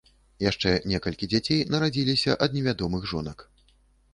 Яшчэ некалькі дзяцей нарадзілася ад невядомых жонак.